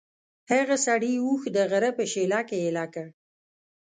هغه سړي اوښ د غره په شېله کې ایله کړ.